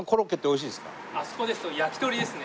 あそこですと焼き鳥ですね。